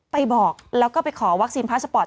ไปบอกแล้วก็ไปขอวัคซีนพร้านซัปอท